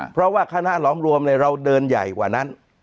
เพราะว่าคณะหลอมรวมเราเดินใหญ่กว่านั้น